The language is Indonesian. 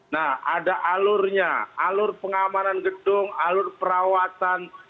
nah ada alurnya alur pengamanan gedung alur perawatan